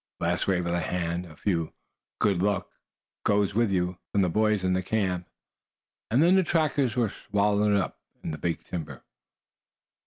A last wave of the hand, a few "good luck go with you's," from the boys in the camp, and then the trackers were swallowed up in the big timber.